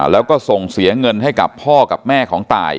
แล้วก็ส่งเสียเงินให้กับพ่อกับแม่ของตาย